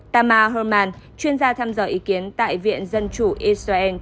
tamar herman chuyên gia tham dò ý kiến tại viện dân chủ israel